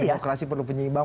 demokrasi perlu penyimbang